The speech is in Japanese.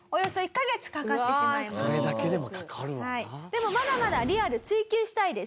でもまだまだリアル追求したいです